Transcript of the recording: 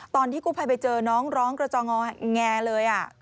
ตอนที่กู้ภัยไปเจอน้องร้องกระจองงอแงเลย